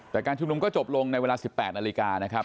แต่การชุมนุมก็จบลงในเวลา๑๘นาฬิกานะครับ